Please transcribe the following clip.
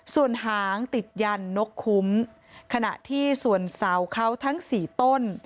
ส่วนหางติดยันนกคุ้มขณะที่ส่วนเสาเขาทั้งสี่ต้น